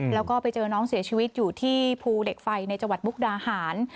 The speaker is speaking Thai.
แล้วก็ไปเจอน้องเสียชีวิตอยู่ที่ภูเหล็กไฟในจังหวัดมุกดาหาร